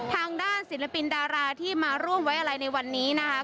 ทางด้านศิลปินดาราที่มาร่วมไว้อะไรในวันนี้นะคะ